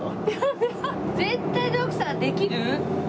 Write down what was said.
絶対徳さんできる？